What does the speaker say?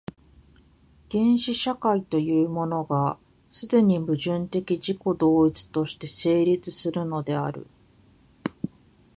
原始社会というものが、既に矛盾的自己同一として成立するのである。